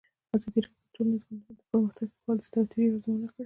ازادي راډیو د ټولنیز بدلون په اړه د پرمختګ لپاره د ستراتیژۍ ارزونه کړې.